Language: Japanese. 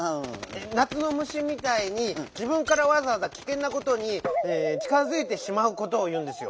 なつのむしみたいに「じぶんからわざわざきけんなことにちかづいてしまう」ことをいうんですよ。